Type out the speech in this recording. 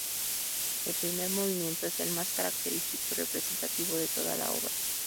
El primer movimiento es el más característico y representativo de toda la obra.